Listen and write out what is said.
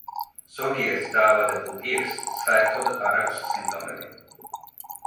ზოგიერთ დაავადებულ პირს საერთოდ არ აქვს სიმპტომები.